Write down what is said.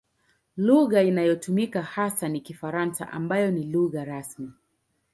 Lugha inayotumika hasa ni Kifaransa ambayo ni lugha rasmi.